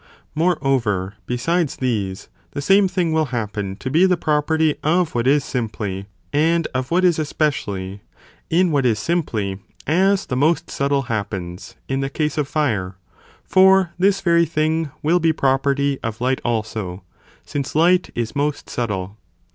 Moreover, besides these, the same thing will happen to be the property of what is simply, and of what is especially ; in what is simply, as the most subtle happens in the case of fire, for this very thing will be pro perty of light also, since light is most subtle.